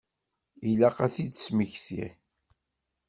Ilaq ad t-id-tesmekti.